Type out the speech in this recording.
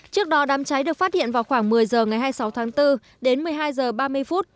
trước đó đám cháy được phát hiện vào khoảng một mươi h ngày hai mươi sáu tháng bốn đến một mươi hai h ba mươi phút